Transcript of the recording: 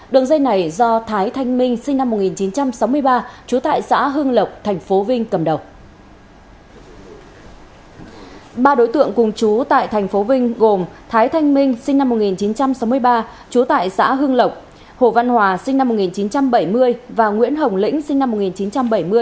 đường dây này do thái thanh minh sinh năm một nghìn chín trăm sáu mươi ba trú tại xã hưng lộc thành phố hồ chí minh